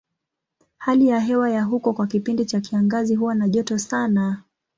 Hali ya hewa ya huko kwa kipindi cha kiangazi huwa na joto sana.